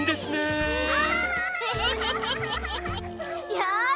よし！